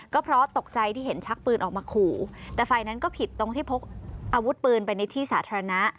ก็เพราะตกใจที่เห็นชักปืนออกมาขู่แต่ฝ่ายนั้นก็ผิดตรงที่พกอาวุธปืนไปในที่สาธารณะ